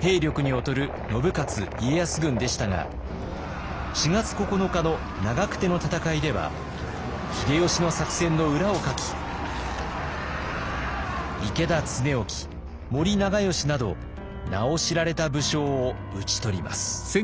兵力に劣る信雄・家康軍でしたが４月９日の長久手の戦いでは秀吉の作戦の裏をかき池田恒興森長可など名を知られた武将を討ち取ります。